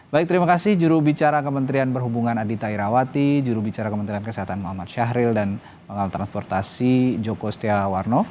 baik terima kasih jurubicara kementerian perhubungan adita irawati jurubicara kementerian kesehatan muhammad syahril dan pengawal transportasi joko setiawarno